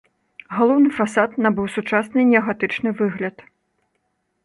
Галоўны фасад набыў сучасны неагатычны выгляд.